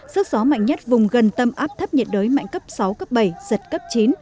sức gió mạnh nhất vùng gần tâm áp thấp nhiệt đới mạnh cấp sáu cấp bảy giật cấp chín